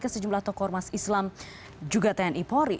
ke sejumlah tokoh ormas islam juga tni polri